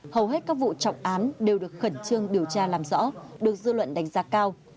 hầu hết các vụ trọng án đều được khẩn trương điều tra làm rõ được dư luận đánh giá cao